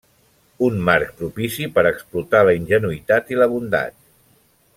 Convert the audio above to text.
Un marc propici per explotar la ingenuïtat i la bondat.